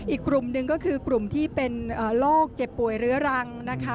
อีกกลุ่มหนึ่งก็คือกลุ่มที่เป็นโรคเจ็บป่วยเรื้อรังนะคะ